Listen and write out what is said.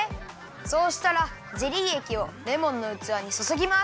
そうしたらゼリーえきをレモンのうつわにそそぎます。